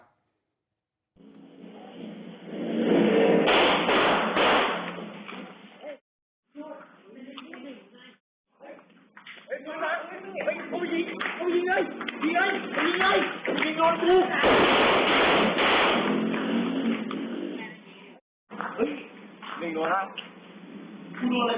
ราวถูกชมครับเย็นร้อยไม่อยู่